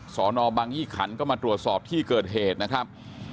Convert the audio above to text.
สอนอบังยี่ขันก็มาตรวจสอบที่เกิดเหตุนะครับ